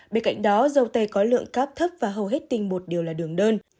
bên cạnh đó dầu tây có lượng cáp thấp và hầu hết tinh bột đều là đường đơn